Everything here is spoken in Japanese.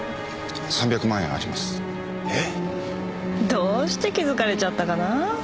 どうして気付かれちゃったかな。